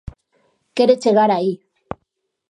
Quere chegar aí.